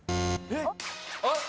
えっ⁉